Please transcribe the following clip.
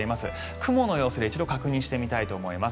雲の予想で一度確認したいと思います。